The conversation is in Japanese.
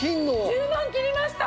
１０万切りました！